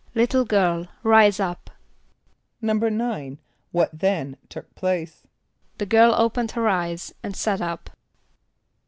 ="Little girl, rise up!"= =9.= What then took place? =The girl opened her eyes and sat up.